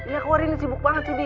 ya aku hari ini sibuk banget sindi